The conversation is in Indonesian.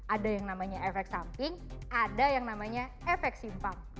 ada yang namanya efek samping ada yang namanya efek simpang